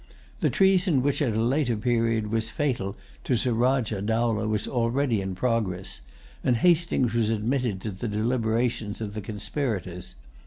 The treason which at a later period was fatal to Surajah Dowlah was already in progress; and Hastings was admitted to the deliberations of the conspirators.